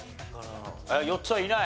４つはいない。